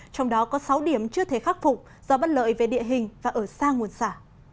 trong đó có sáu điểm chưa thể khắc phục do bất lợi về địa hình và ở xa nguồn xả